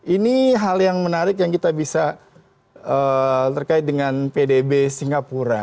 ini hal yang menarik yang kita bisa terkait dengan pdb singapura